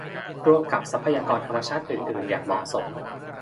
ร่วมกับทรัพยากรธรรมชาติอื่นอื่นอย่างเหมาะสม